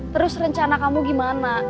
terus rencana kamu gimana